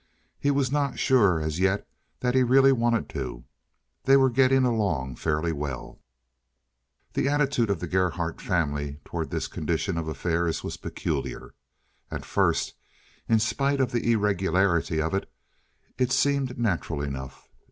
He was not sure as yet that he really wanted to. They were getting along fairly well. The attitude of the Gerhardt family toward this condition of affairs was peculiar. At first, in spite of the irregularity of it, it seemed natural enough.